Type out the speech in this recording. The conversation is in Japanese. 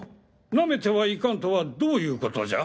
舐めてはいかんとはどういうことじゃ？